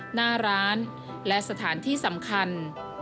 หน้าร้านและสถานที่สำคัญ